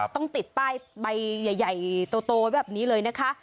ติดป้ายใบใหญ่โตแบบนี้เลยนะคะ